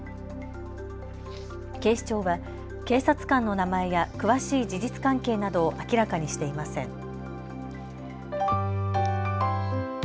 警視庁は警察官の名前や詳しい事実関係などを明らかにしていません。